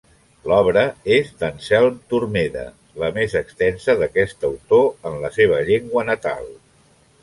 L'obra és d'Anselm Turmeda, la més extensa d'aquest autor en la seva llengua natal.